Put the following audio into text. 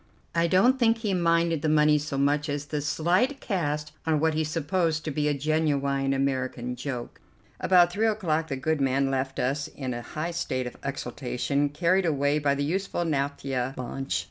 I don't think he minded the money so much as the slight cast on what he supposed to be a genuine American joke. About three o'clock the good man left us in a high state of exultation, carried away by the useful naphtha launch.